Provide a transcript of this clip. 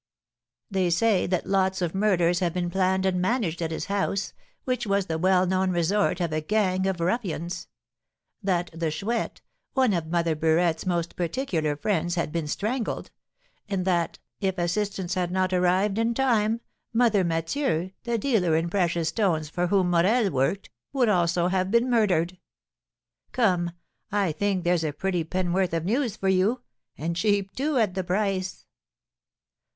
They say that lots of murders have been planned and managed at his house, which was the well known resort of a gang of ruffians; that the Chouette, one of Mother Burette's most particular friends, has been strangled; and that, if assistance had not arrived in time, Mother Mathieu, the dealer in precious stones for whom Morel worked, would also have been murdered. Come, I think there's a pretty penn'orth of news for you, and cheap, too, at the price!"